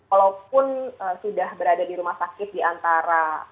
walaupun sudah berada di rumah sakit di antara